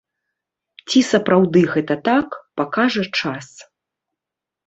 Ці сапраўды гэта так, пакажа час.